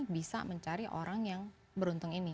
bisa mencari orang yang beruntung ini